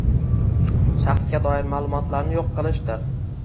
shaxsga doir ma’lumotlarni yo‘q qilishdir.